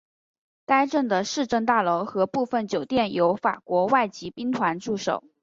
该镇的市政大楼和部分酒店有法国外籍兵团驻守。